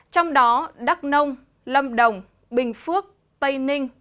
trong đó đắk nông lâm đồng bình phước tây ninh